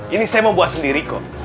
ini saya mau buat sendiri kok